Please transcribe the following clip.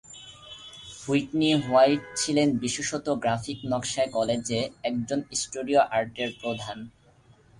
Whitney White ছিলেন বিশেষত graphic নকশায় কলেজে একজন স্টুডিও আর্টের প্রধান।